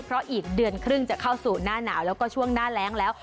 เพราะอีกเดือนครึ่งจะเข้าสู่หน้าหนาวแล้วก็ช่วงหน้าแรงแล้ว